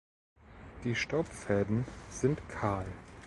Die Staubfäden sind kahl.